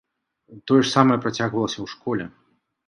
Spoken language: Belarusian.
Тое ж самае працягвалася ў школе.